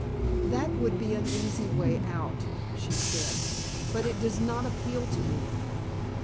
"That would be an easy way out," she said. "But it does not appeal to me.